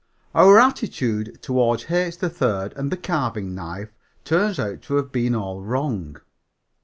Our attitude toward H. 3rd and the carving knife turns out to have been all wrong.